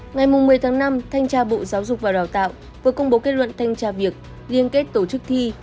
ngày một mươi tháng năm thanh tra bộ giáo dục và đào tạo vừa công bố kết luận thanh tra việc liên kết tổ chức thi